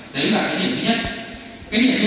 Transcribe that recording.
đấy là cái thứ hai